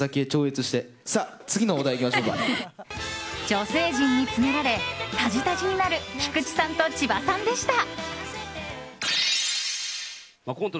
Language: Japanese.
女性陣に詰められたじたじになる菊池さんと千葉さんでした。